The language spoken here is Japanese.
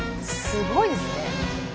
すごいですね。